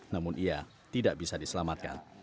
namun ia tidak bisa diselamatkan